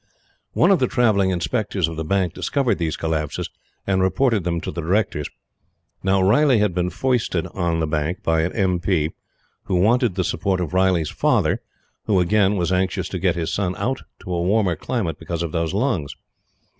One of the Travelling Inspectors of the Bank discovered these collapses and reported them to the Directors. Now Riley had been foisted on the Bank by an M. P., who wanted the support of Riley's father, who, again, was anxious to get his son out to a warmer climate because of those lungs.